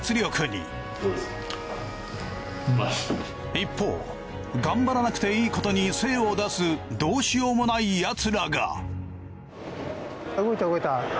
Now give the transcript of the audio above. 一方頑張らなくていいことに精を出すどうしようもないヤツらが。